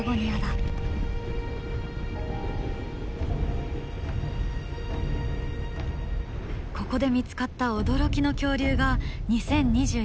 ここで見つかった驚きの恐竜が２０２２年に報告された。